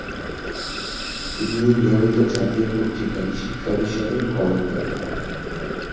তিনি নিয়মিত জাতীয় পত্রিকায় শিক্ষা বিষয়ে কলাম লেখেন।